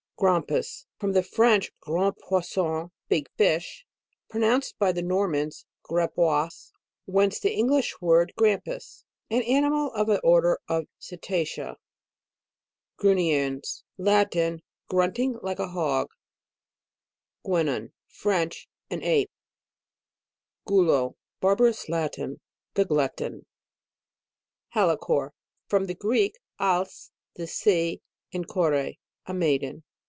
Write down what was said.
GRAMPUS. From the French, grand poisson, big fish, pronounced by the Normans, grapois, whence the En glish word Grampus. An animal of the order of cetacea. GRUNNIENS. Latin. Grunting like a hog. GUENON. French. An ape. GULO. Barbarous Latin. The glutton HALICORE. From the Greek, als, the sea, and kore, a maiden.